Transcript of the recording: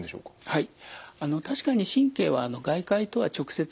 はい。